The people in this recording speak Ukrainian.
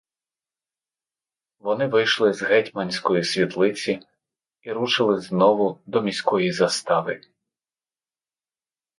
Вони вийшли з гетьманської світлиці й рушили знову до міської застави.